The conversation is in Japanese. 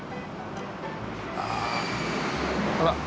ああほら